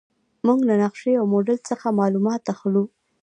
موږ له نقشې او موډل څخه معلومات اخلو.